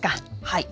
はい。